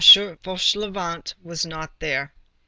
Fauchelevent was not there."